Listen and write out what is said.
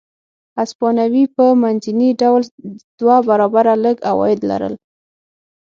هسپانوي په منځني ډول دوه برابره لږ عواید لرل.